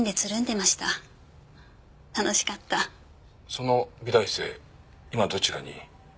その美大生今どちらに？